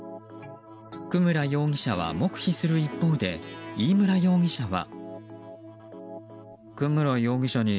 久村容疑者は黙秘する一方で飯村容疑者は。